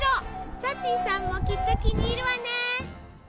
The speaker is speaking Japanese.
サティさんもきっと気に入るわね！